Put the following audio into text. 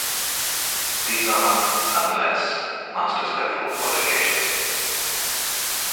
These are, nonetheless, master's level qualifications.